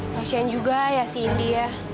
kasian juga ya si india